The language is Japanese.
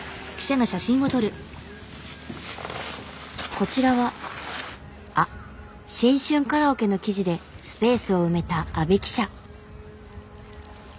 こちらはあっ「新春カラオケ」の記事でスペースを埋めた阿部記者。